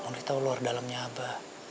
mondi tau luar dalemnya aba